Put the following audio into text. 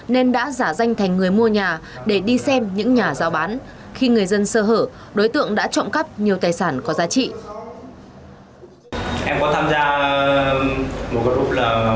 nên đã giả danh thành người mua nhà để đi xem những nhà giao bán khi người dân sơ hở đối tượng đã trộm cắp nhiều tài sản có giá trị